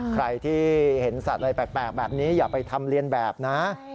ใครที่เห็นสัตว์อะไรแปลกแบบนี้อย่าไปทำเรียนแบบนะ